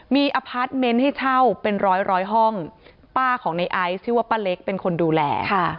มีอพาร์ทเมนต์ให้เช่าเป็นร้อยร้อยห้องป้าของในไอซ์ชื่อว่าป้าเล็กเป็นคนดูแล